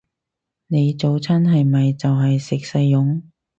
你早餐係咪就係食細蓉？